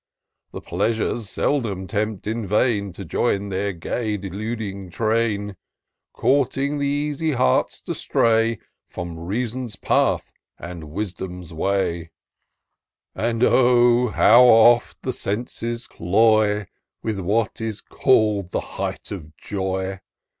The Pleasures seldom tempt in vain To join their gay, deluding train ;^ Courting the easy hearts to stray From Reason's path and Wisdom's way : 244 TOUR OF DOCTOR SYNTAX And oh ! how oft the senses cloy With what is call'd the height of joy